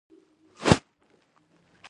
ادب ټولې نظریې انساني یا بشري دي.